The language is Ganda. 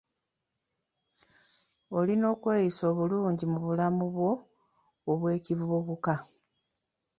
Olina okweyisa obulungi mu bulamu bwo obw'ekivubuka.